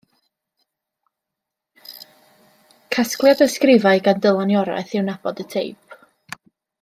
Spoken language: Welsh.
Casgliad o ysgrifau gan Dylan Iorwerth yw Nabod y Teip.